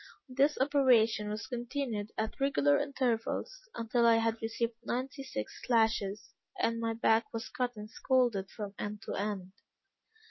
This operation was continued at regular intervals, until I had received ninety six lashes, and my back was cut and scalded from end to end.